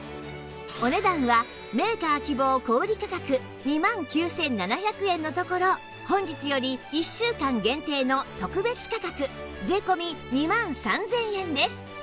お値段はメーカー希望小売価格２万９７００円のところ本日より１週間限定の特別価格税込２万３０００円です